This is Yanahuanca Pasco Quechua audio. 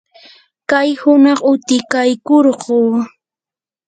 kay hunaq utikaykurquu.